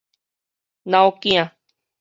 腦囝